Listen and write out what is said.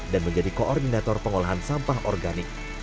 dan menjadi koordinator pengolahan sampah organik